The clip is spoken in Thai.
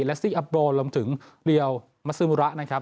และซี่อับโรรวมถึงเรียลมัสซึมูระนะครับ